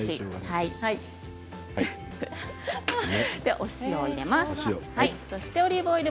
お塩を入れます。